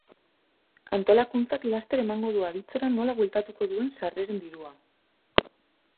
Antolakuntzak laster emango du aditzera nola bueltatuko duen sarreren dirua.